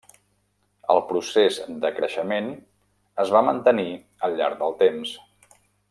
El procés de creixement es va mantenir al llarg del temps.